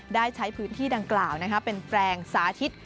ได้ใช้พื้นที่ดังกล่าวเป็นแปลงสาธิต